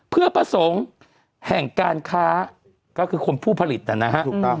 เพื่อประสงค์แห่งการค้าก็คือคนผู้ผลิตนะครับ